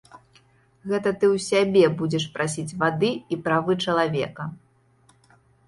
Гэта ты ў сябе будзеш прасіць вады і правы чалавека.